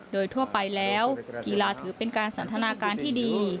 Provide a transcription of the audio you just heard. โดยทั่วไปแล้วกีฬาถือเป็นการสันทนาการที่ดี